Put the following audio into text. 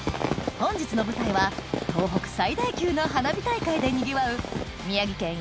本日の舞台は東北最大級の花火大会でにぎわう